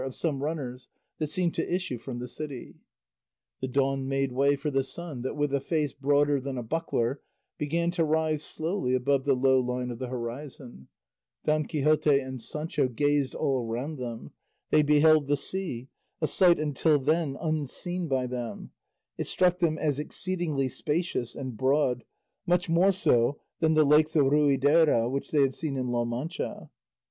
of some runners, that seemed to issue from the city. The dawn made way for the sun that with a face broader than a buckler began to rise slowly above the low line of the horizon; Don Quixote and Sancho gazed all round them; they beheld the sea, a sight until then unseen by them; it struck them as exceedingly spacious and broad, much more so than the lakes of Ruidera which they had seen in La Mancha.